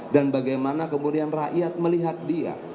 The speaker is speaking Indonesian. dan bagaimana kemudian rakyat melihat dia